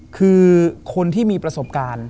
คือคนที่มีประสบการณ์